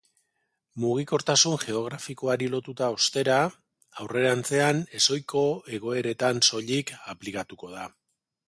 Mugikortasun geografikoari lotuta, ostera, aurrerantzean ezohiko egoeretan soilik aplikatuko da.